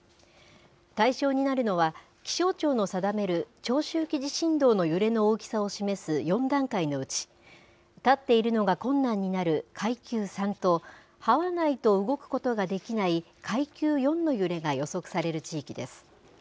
対象になるのは、気象庁の定める長周期地震動の揺れの大きさを示す４段階のうち、立っているのが困難になる階級３と、はわないと動くことができない階級４の揺れが予測される地域です。